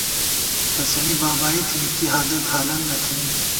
تسَنی بابائی تھنی ،کی حاجت حالن نہ تھنی